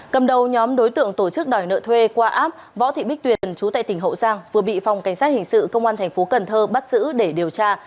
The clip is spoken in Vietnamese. cầm đầu nhóm đối tượng tổ chức đòi nợ thuê qua app võ thị bích tuyền chú tại tỉnh hậu giang vừa bị phòng cảnh sát hình sự công an tp hcm bắt giữ để điều tra